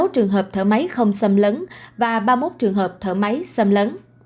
sáu trường hợp thở máy không xâm lấn và ba mươi một trường hợp thở máy xâm lấn